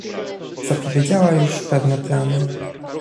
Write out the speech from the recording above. Zapowiedziała już pewne plany